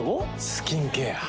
スキンケア。